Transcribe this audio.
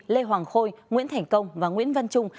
lê hoàng khôi nguyễn thành công và nguyễn văn trung